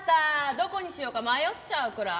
どこにしようか迷っちゃうくらい。